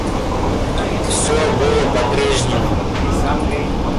Все было по-прежнему.